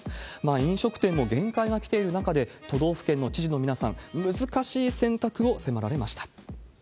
飲食店も限界がきている中で、都道府県の知事の皆さん、難しい選択を迫られました。